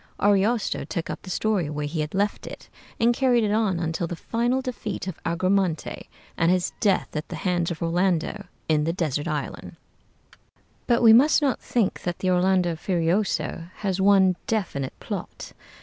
Ariosto took up the story where he had left it, and carried it on until the final defeat of Agramante, and his death at the hands of Orlando in the desert island. [Illustration: LODOVICO ARIOSTO.] But we must not think that the 'Orlando Furioso' has one definite plot.